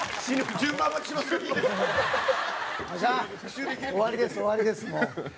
終わりです終わりですもう。